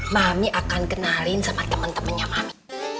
mami akan kenalin sama teman temannya mami